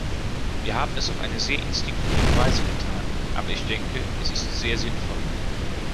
Wir haben es auf eine sehr instinktive Weise getan, aber ich denke, es ist sehr sinnvoll.